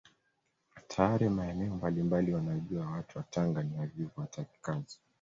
Tayari maeneo mbalimbali wanajua watu wa Tanga ni wavivu hawataki kazi